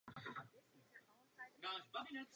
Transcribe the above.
Na to odpovídáme ano.